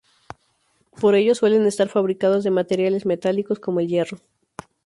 Por ello, suelen estar fabricados de materiales metálicos, como el hierro.